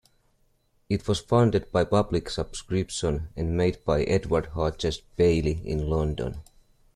It was funded by public subscription and made by Edward Hodges Baily in London.